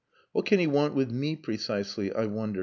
"What can he want with me precisely I wonder?"